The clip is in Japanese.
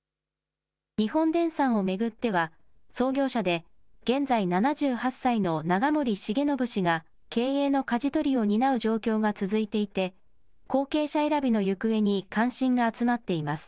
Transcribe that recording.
日本電産を巡っては、創業者で現在、７８歳の永守重信氏が経営のかじ取りを担う状況が続いていて、後継者選びの行方に関心が集まっています。